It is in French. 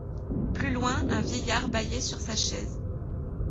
Plus loin, un vieillard bâillait sur sa chaise.